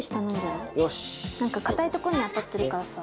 なんか硬いとこに当たってるからさ。